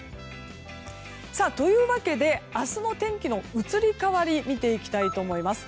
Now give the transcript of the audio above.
というわけで明日の天気の移り変わりを見ていきたいと思います。